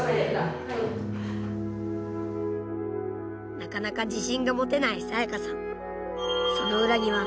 なかなか自信が持てない彩夏さん。